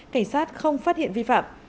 cảnh sát không phát hiện vi phạm